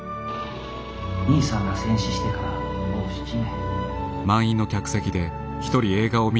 「兄さんが戦死してからもう７年」。